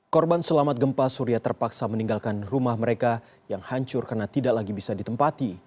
korban selamat gempa suria terpaksa meninggalkan rumah mereka yang hancur karena tidak lagi bisa ditempati